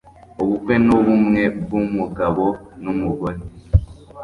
Ubukwe nubumwe bwumugabo numugore.